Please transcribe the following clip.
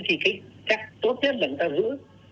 thì chắc tốt nhất là ta giữ cái tài sản của người ta